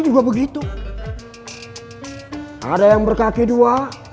sebekam bagian dari agong dan tanda